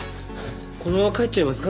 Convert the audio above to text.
このまま帰っちゃいますか？